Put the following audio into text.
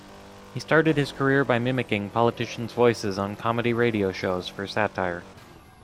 He started his career by mimicking politicians' voices on comedy radio shows for satire.